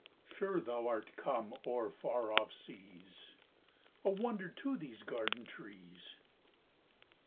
Sure thou art come o'er far off seas, A wonder to these garden trees!